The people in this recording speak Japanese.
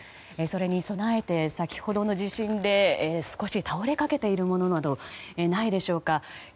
それに備えて、先ほどの地震で少し倒れかけているものなどないでしょうか。